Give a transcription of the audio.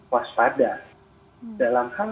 waspada dalam hal